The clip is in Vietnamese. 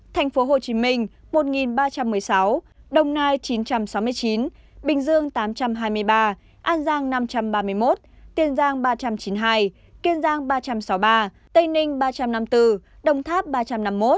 thành phố hồ chí minh một ba trăm một mươi sáu đồng nai chín trăm sáu mươi chín bình dương tám trăm hai mươi ba an giang năm trăm ba mươi một kiên giang ba trăm chín mươi hai kiên giang ba trăm sáu mươi ba tây ninh ba trăm năm mươi bốn đồng tháp ba trăm năm mươi một